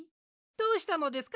どうしたのですか？